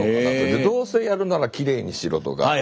どうせやるならきれいにしようと。